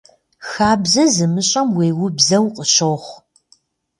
Хабзэ зымыщӏэм уеубзэу къыщохъу.